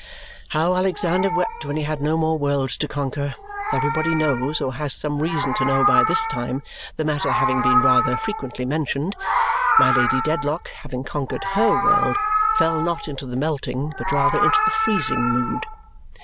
How Alexander wept when he had no more worlds to conquer, everybody knows or has some reason to know by this time, the matter having been rather frequently mentioned. My Lady Dedlock, having conquered HER world, fell not into the melting, but rather into the freezing, mood.